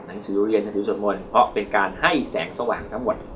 หนังสือเรียนหนังสือสวดมนต์เพราะเป็นการให้แสงสว่างทั้งหมด